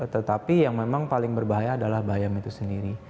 tetapi yang memang paling berbahaya adalah bayam itu sendiri